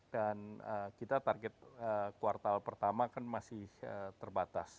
dan kita target kuartal pertama kan masih terbatas